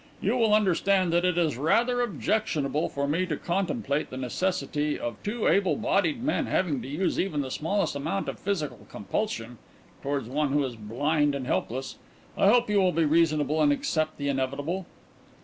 You will understand that it is rather objectionable for me to contemplate the necessity of two able bodied men having to use even the smallest amount of physical compulsion towards one who is blind and helpless. I hope you will be reasonable and accept the inevitable."